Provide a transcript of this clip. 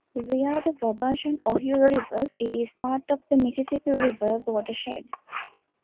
Via the Wabash and Ohio rivers, it is part of the Mississippi River watershed.